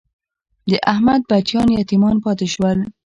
د احمد بچیان یتیمان پاتې شول.